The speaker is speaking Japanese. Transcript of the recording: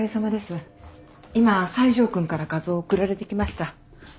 今西條君から画像送られてきました。